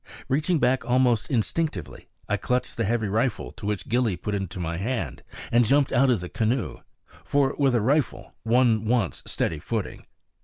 Reaching back almost instinctively, I clutched the heavy rifle which Gillie put into my hand and jumped out of the canoe; for with a rifle one wants steady footing.